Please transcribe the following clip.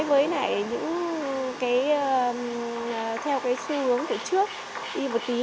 thế này theo cái xu hướng từ trước đi một tí